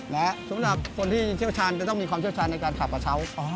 และสำหรับคนที่เชี่ยวชาญจะต้องมีความเชี่ยวชาญในการผ่ากระเช้า